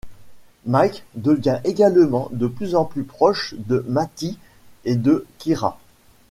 Mike devient également de plus en plus proche de Mattie et de Kyra.